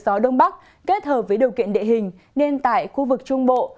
gió đông bắc kết hợp với điều kiện địa hình nên tại khu vực trung bộ